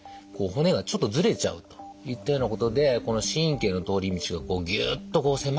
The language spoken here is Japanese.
骨がちょっとずれちゃうといったようなことでこの神経の通り道がこうぎゅっと狭くなってですね